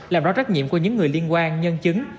làm rõ trách nhiệm của những người liên quan nhân chứng